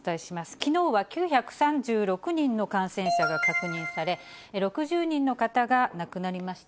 きのうは９３６人の感染者が確認され、６０人の方が亡くなりました。